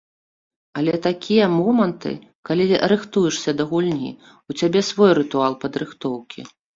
Але такія моманты, калі рыхтуешся да гульні, у цябе свой рытуал падрыхтоўкі.